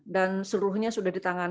dan seluruhnya sudah ditangkap